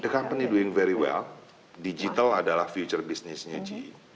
company doing very well digital adalah future business nya ge